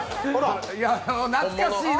懐かしいな。